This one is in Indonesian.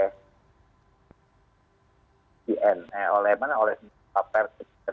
hai di nlm oleh paper